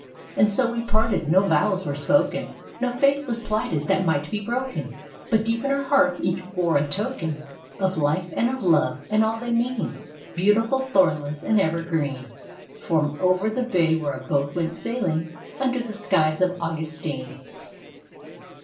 And so we parted. No vows were spoken. No faith was plighted that might be broken. But deep in our hearts each bore a token Of life and of love and all they mean, Beautiful, thornless, and ever green, From over the bay where our boat went sailing Under the skies of Augustine.